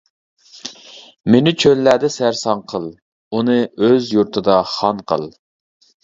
مېنى چۆللەردە سەرسان قىل، ئۇنى ئۆز يۇرتىدا خان قىل.